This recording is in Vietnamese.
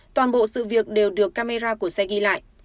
toàn bộ sự việc đều được camera của xe ghi lại